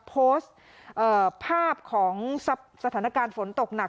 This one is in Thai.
โพสต์ภาพของสถานการณ์ฝนตกหนัก